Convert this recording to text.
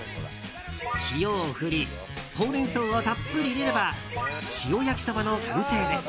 塩を振りほうれん草をたっぷり入れれば塩焼きそばの完成です。